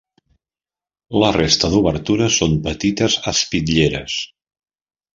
La resta d'obertures són petites espitlleres.